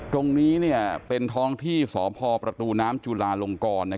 ตรงนี้เป็นท้องที่สพประตูน้ำจุลาลงกร